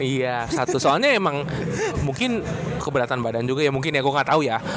iya satu soalnya emang mungkin keberatan badan juga ya mungkin ya gue gak tau ya